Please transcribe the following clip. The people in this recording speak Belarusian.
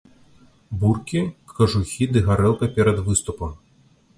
Буркі, кажухі ды гарэлка перад выступам.